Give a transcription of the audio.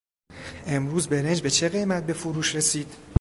امروز برنج به چه قیمت به فروش رسید؟